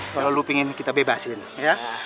kalau lu pingin kita bebasin ya